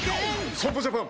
損保ジャパン